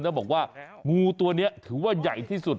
แล้วบอกว่างูตัวนี้ถือว่าใหญ่ที่สุด